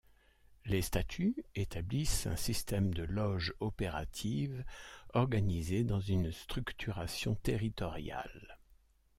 Les statuts établissent un système de loges opératives organisées dans une structuration territoriale.